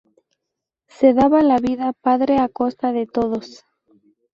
Se daba la vida padre a costa de todos.